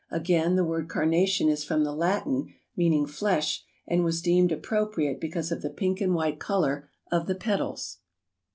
Again, the word Carnation is from the Latin, meaning flesh, and was deemed appropriate because of the pink and white color of the petals.